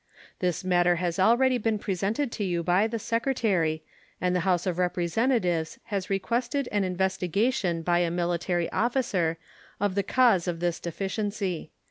This matter has already been presented to you by the Secretary, and the House of Representatives has requested an investigation by a military officer of the cause of this deficiency.